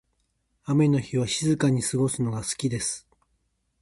雨の日は静かに過ごすのが好きです。